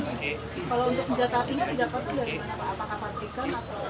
apakah partikan atau